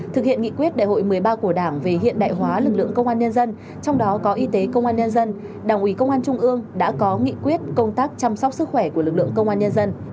thực hiện nghị quyết đại hội một mươi ba của đảng về hiện đại hóa lực lượng công an nhân dân trong đó có y tế công an nhân dân đảng ủy công an trung ương đã có nghị quyết công tác chăm sóc sức khỏe của lực lượng công an nhân dân